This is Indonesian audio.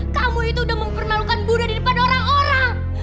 kamu itu udah mempermalukan bunda di depan orang orang